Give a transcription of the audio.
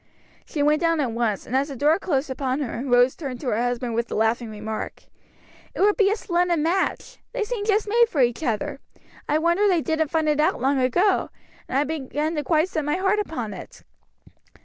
She went down at once, and as the door closed upon her, Rose turned to her husband with the laughing remark, "It would be a splendid match! they seem just made for each other. I wonder they didn't find it out long ago, and I begin to quite set my heart upon it."